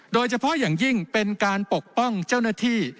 โดยเฉพาะอย่างยิ่งเป็นการปกป้องเจ้าหน้าที่